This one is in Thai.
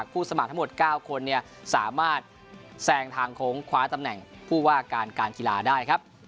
สมัครทั้งหมด๙คนสามารถแซงทางโค้งคว้าตำแหน่งผู้ว่าการการกีฬาได้ครับ